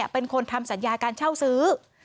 เป็นคนทำสัญญาการเช่าซื้อ